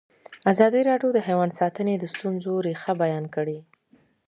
ازادي راډیو د حیوان ساتنه د ستونزو رېښه بیان کړې.